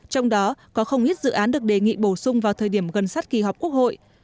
trong đó có không ít dự án được đề nghị bổ sung vào thời điểm gần sát kỳ họp quốc hội